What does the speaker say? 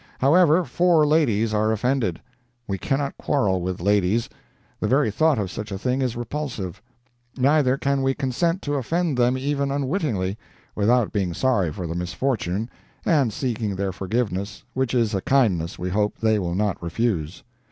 However, four ladies are offended. We cannot quarrel with ladies—the very thought of such a thing is repulsive; neither can we consent to offend them even unwittingly—without being sorry for the misfortune, and seeking their forgiveness, which is a kindness we hope they will not refuse.